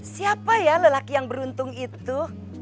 siapa ya lelaki yang beruntung itu